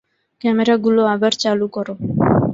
ক্যামেরাগুলো আবার চালু করো।